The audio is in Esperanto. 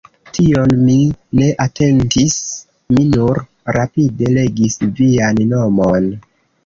Tion mi ne atentis, mi nur rapide legis vian nomon.